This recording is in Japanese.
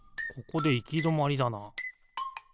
ここでいきどまりだな。